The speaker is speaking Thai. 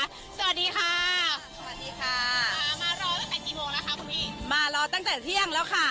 สวัสดีค่ะสวัสดีค่ะมารอตั้งแต่กี่โมงแล้วค่ะคุณพี่มารอตั้งแต่เที่ยงแล้วค่ะ